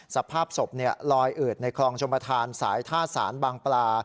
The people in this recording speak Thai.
สภาพศพเนี่ยลอยอึดในคลองชมภาษณ์สายท่าสารบางปลา